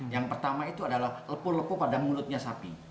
yang pertama itu adalah lepuh lepuh pada mulutnya sapi